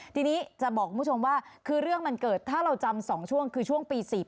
ทีนี้จะบอกคุณผู้ชมว่าคือเรื่องมันเกิดถ้าเราจำ๒ช่วงคือช่วงปี๔๘